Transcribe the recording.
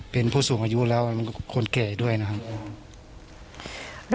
เป็นผู้สูงอายุแล้วเป็นคนแก่ด้วยนะครับ